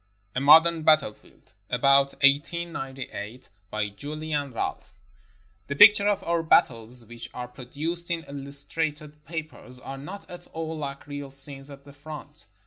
A MODERN BATTLEFIELD [About 1898] BY JULIAN RALPH The pictures of our battles which are produced in illus trated papers are not at all like real scenes at the front.